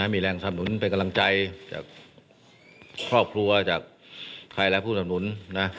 มีแรงสำนุนเป็นกำลังใจจากครอบครัวจากใครและผู้สำนุนนะ